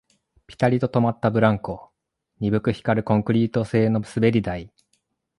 ピタリと止まったブランコ、鈍く光るコンクリート製の滑り台